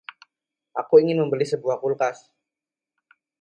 Aku ingin membeli sebuah kulkas.